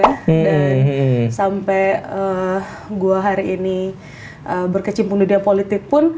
dan sampai gue hari ini berkecimpung di dia politik pun